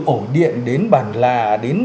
ổ điện đến bàn là đến